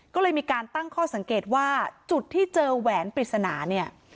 ก็เลยมีการตั้งข้อสังเกตว่าจุดที่เจอแหวนปริศนาเนี่ย